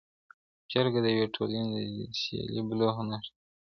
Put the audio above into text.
جرګه د یو ټولني د سیاسي بلوغ نښه ده.